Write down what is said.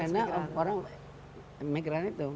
karena orang imigran itu